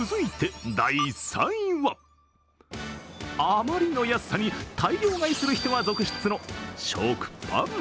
あまりの安さに大量買いする人が続出の食パン。